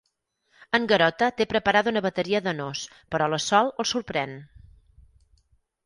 En Garota té preparada una bateria de nos, però la Sol el sorprèn.